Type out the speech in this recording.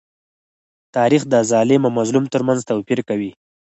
تاریخ د ظالم او مظلوم تر منځ توپير کوي.